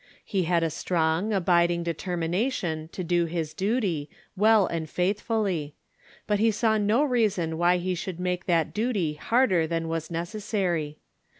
He had a strong, abiding determination to do his duty, well and faithfully ; but he saw no reason why he should make that duty harder than was necessary.